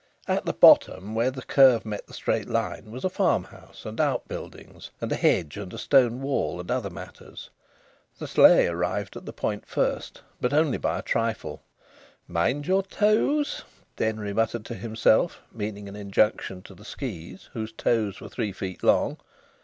At the bottom, where the curve met the straight line, was a farmhouse and outbuildings and a hedge and a stone wall and other matters. The sleigh arrived at the point first, but only by a trifle. "Mind your toes," Denry muttered to himself, meaning an injunction to the skis, whose toes were three feet long.